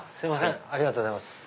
ありがとうございます。